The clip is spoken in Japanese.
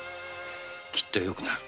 きっとよくなる。